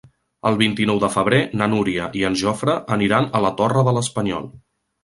El vint-i-nou de febrer na Núria i en Jofre aniran a la Torre de l'Espanyol.